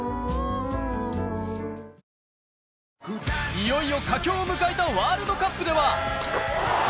いよいよ佳境を迎えたワールドカップでは。